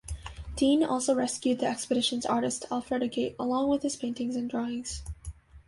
Dean also rescued the expedition's artist, Alfred Agate, along with his paintings and drawings.